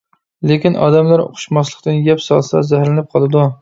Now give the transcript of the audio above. لېكىن، ئادەملەر ئۇقۇشماسلىقتىن يەپ سالسا، زەھەرلىنىپ قالىدۇ.